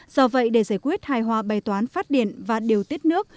do vậy để giải quyết hài hòa bày toán phát điện và điều tiết nước